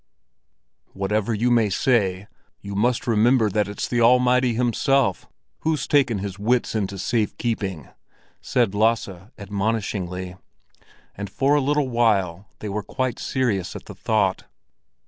"Whatever you may say, you must remember that it's the Almighty Himself who's taken his wits into safekeeping," said Lasse admonishingly; and for a little while they were quite serious at the thought.